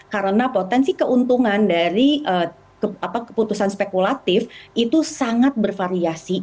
karena potensi keuntungan dari keputusan spekulatif itu sangat bervariasi